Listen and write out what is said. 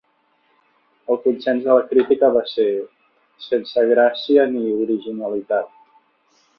El consens de la crítica va ser: sense gràcia ni originalitat.